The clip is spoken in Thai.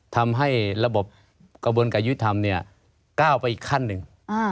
ทำให้ระบบกระบวนการยุทธธรรมเนี่ยก้าวไปอีกขั้นหนึ่ง